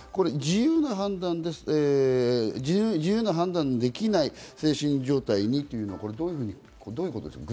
自由な判断ができない精神状態にというのはどういうことですか？